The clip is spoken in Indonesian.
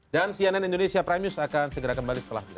dan cnn indonesia prime news akan segera kembali setelah tiga t